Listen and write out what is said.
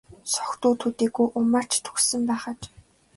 Согтуу төдийгүй уймарч түгшсэн байх аж.